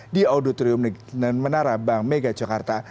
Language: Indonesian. di auditorium menara bank mega jakarta